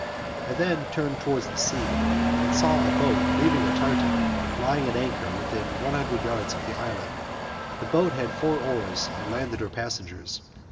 I then turned towards the sea, and saw a boat leaving a tartan lying at anchor within one hundred yards of the island; the boat had four oars and landed her passengers.